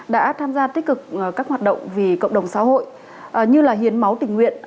đã tham gia tích cực các hoạt động vì cộng đồng xã hội như hiến máu tình nguyện